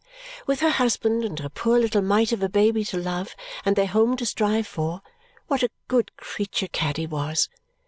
With her husband and her poor little mite of a baby to love and their home to strive for, what a good creature Caddy was!